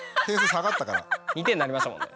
２点になりましたもんね。